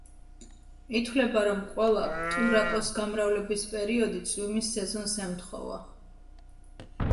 ითვლება, რომ ყველა ტურაკოს გამრავლების პერიოდი წვიმის სეზონს ემთხვევა.